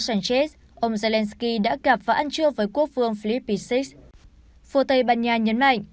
sanchez ông zelenskyy đã gặp và ăn trưa với quốc phương filippich phủ tây ban nha nhấn mạnh